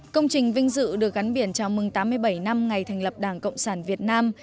công trình vinh dự được gắn biển chào mừng tám mươi bảy năm ngày thành lập đảng cộng sản việt nam